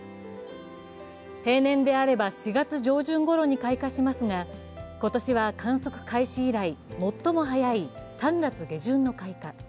平年であれば４月上旬ごろに開花しますが今年は観測開始以来最も早い３月下旬の開花。